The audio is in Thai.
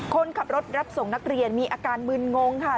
คนขับรถรับส่งนักเรียนมีอาการมึนงงค่ะ